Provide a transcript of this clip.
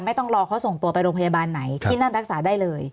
ต้องรอเขาส่งตัวไปโรงพยาบาลไหนที่นั่นรักษาได้เลย